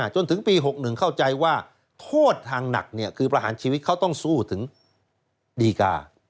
จนถึงปี๖๑เข้าใจว่าโทษทางหนักคือประหารชีวิตเขาต้องสู้ถึงดีกา